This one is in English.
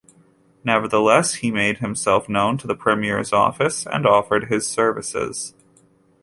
Nevertheless, he made himself known to the Premier's office and offered his services.